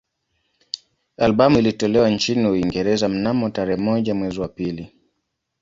Albamu ilitolewa nchini Uingereza mnamo tarehe moja mwezi wa pili